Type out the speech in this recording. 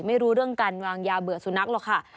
ไม่รู้เรื่องการวางยาเบื่อสุนัขหรอกค่ะ